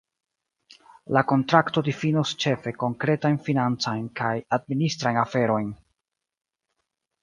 La kontrakto difinos ĉefe konkretajn financajn kaj administrajn aferojn.